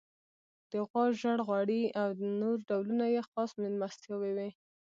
د غوا ژړ غوړي او نور ډولونه یې خاص میلمستیاوې وې.